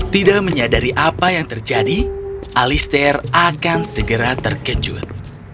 tidak menyadari apa yang terjadi alister akan segera terkejut